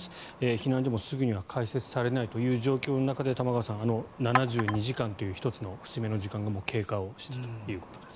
避難所もすぐには開設されないという状況の中で玉川さん、７２時間という１つの節目の時間がもう経過したということです。